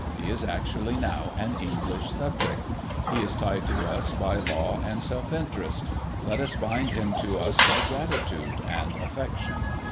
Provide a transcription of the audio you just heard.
He is, actually, now an English subject. He is tied to us by law and self interest. Let us bind him to us by gratitude and affection.